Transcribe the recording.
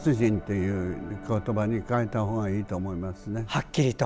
はっきりと？